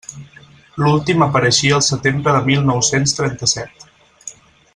L'últim apareixia el setembre de mil nou-cents trenta-set.